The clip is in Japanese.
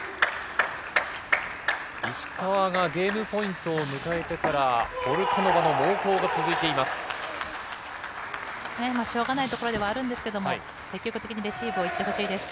石川がゲームポイントを迎えてから、ポルカノバの猛攻が続いています。